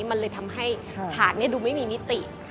มันเลยทำให้ฉากดูไม่มีมิติ